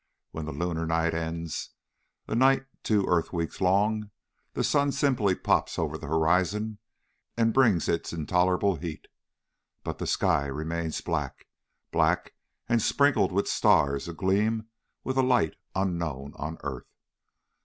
When the lunar night ends a night two earth weeks long the sun simply pops over the horizon, bringing its intolerable heat. But the sky remains black black and sprinkled with stars agleam with a light unknown on earth.